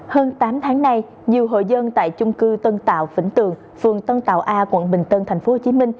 hơn tám tháng nay nhiều hộ dân tại chung cư tân tạo vĩnh tường phường tân tạo a quận bình tân tp hcm